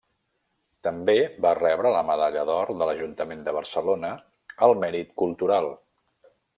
També va rebre la medalla d'or de l'Ajuntament de Barcelona al mèrit cultural.